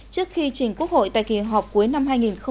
trước khi chỉnh quốc hội tại kỳ họp cuối năm hai nghìn hai mươi